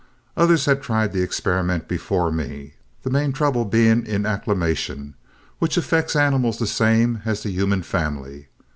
Others had tried the experiment before me, the main trouble being in acclimation, which affects animals the same as the human family.